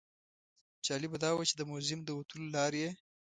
جالبه دا وه چې د موزیم د وتلو لاره یې.